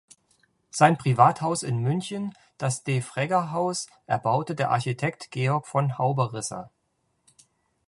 Sein Privathaus in München, das Defregger-Haus, erbaute der Architekt Georg von Hauberrisser.